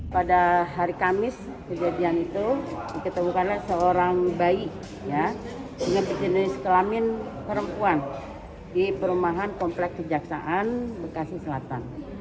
pada hari kamis kejadian itu diketemukanlah seorang bayi dengan berjenis kelamin perempuan di perumahan komplek kejaksaan bekasi selatan